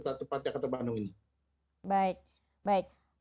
bagaimana perjalanan kereta api ini